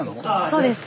そうです。